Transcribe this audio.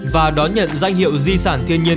và đón nhận danh hiệu di sản thiên nhiên